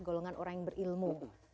golongan orang yang berilmu